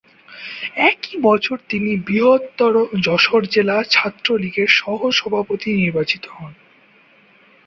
একই বছর তিনি বৃহত্তর যশোর জেলা ছাত্রলীগের সহসভাপতি নির্বাচিত হন।